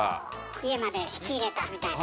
家まで引き入れたみたいな？